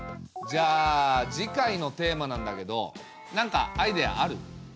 じゃあ次回のテーマなんだけどなんかアイデアある？